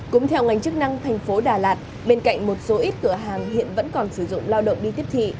cũng theo ngành chức năng thành phố đà lạt bên cạnh một số ít cửa hàng hiện vẫn còn sử dụng lao động đi tiếp thị